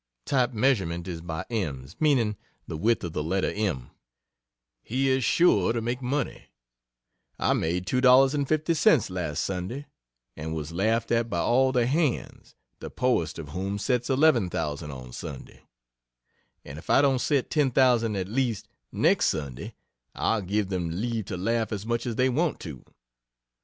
Type measurement is by ems, meaning the width of the letter 'm'.] he is sure to make money. I made $2.50 last Sunday, and was laughed at by all the hands, the poorest of whom sets 11,000 on Sunday; and if I don't set 10,000, at least, next Sunday, I'll give them leave to laugh as much as they want to.